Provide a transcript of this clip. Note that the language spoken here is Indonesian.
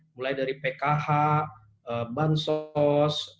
mulai dari pkh bansos